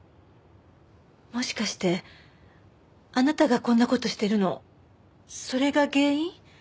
もしかしてあなたがこんな事してるのそれが原因？